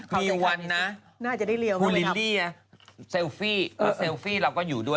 อ๋อไม่ใช่ปลับเอง